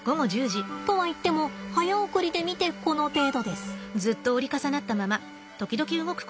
とはいっても早送りで見てこの程度です。